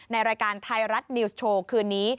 ในรายการไทยรัฐนิวส์โชว์คืนนี้